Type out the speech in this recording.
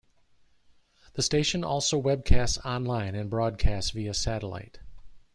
The station also webcasts online and broadcasts via satellite.